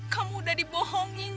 kamu udah dibohongin jang